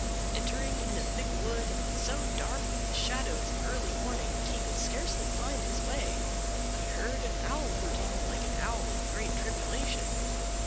Entering in a thick wood, so dark with the shadows of early morning that he could scarcely find his way, he heard an Owl hooting, like an owl in great tribulation.